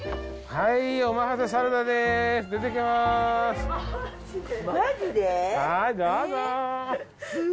はい、おまかせサラダです。